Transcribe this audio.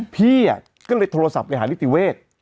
พี่อะก็เลยโทรศัพท์ไปหาริติเวศ